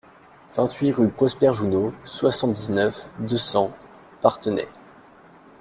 vingt-huit rue Prosper Jouneau, soixante-dix-neuf, deux cents, Parthenay